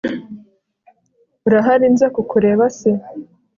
urahari nze kukureba se